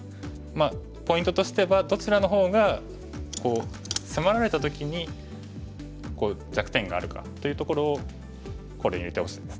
ポイントとしてはどちらの方が迫られた時に弱点があるかというところを考慮に入れてほしいですね。